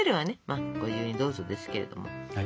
まあ「ご自由にどうぞ」ですけれども。